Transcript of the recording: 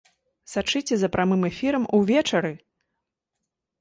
Сачыце за прамым эфірам увечары!